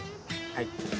はい。